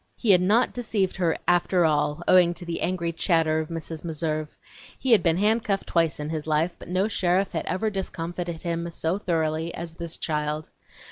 He had not deceived her after all, owing to the angry chatter of Mrs. Meserve. He had been handcuffed twice in his life, but no sheriff had ever discomfited him so thoroughly as this child.